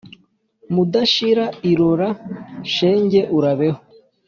Mudashira irora, shenge urabeho